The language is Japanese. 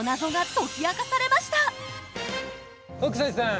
北斎さん